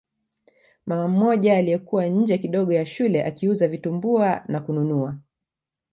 Mama mmoja aliyekuwa nje kidogo ya shule akiuza vitumbua na kununua